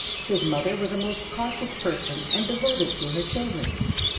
His mother was a most cautious person and devoted to her children.